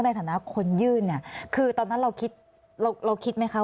ในฐานะคนยื่นคือตอนนั้นเราคิดไหมคระ